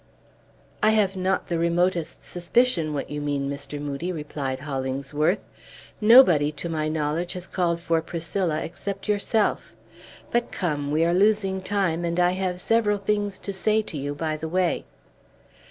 "I have not the remotest suspicion what you mean, Mr. Moodie," replied Hollingsworth; "nobody, to my knowledge, has called for Priscilla, except yourself. But come; we are losing time, and I have several things to say to you by the way."